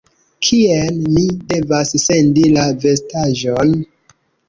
Kien mi devas sendi la vestaĵon?